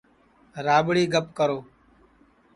راٻڑی گپ کرو